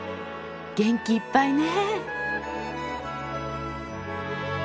元気いっぱいね。